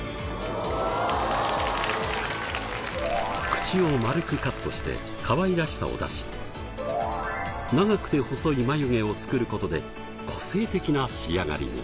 口を丸くカットしてかわいらしさを出し長くて細い眉毛を作る事で個性的な仕上がりに。